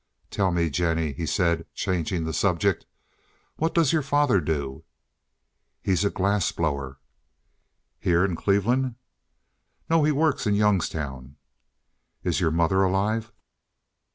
"Tell me, Jennie," he said, changing the subject. "What does your father do?" "He's a glass blower." "Here in Cleveland?" "No, he works in Youngstown." "Is your mother alive?"